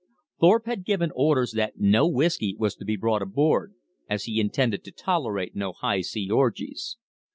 Thorpe had given orders that no whisky was to be brought aboard, as he intended to tolerate no high sea orgies.